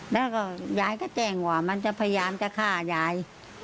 แล้วก็ยายก็แจ้งว่ามันจะพยายามจะฆ่ายาย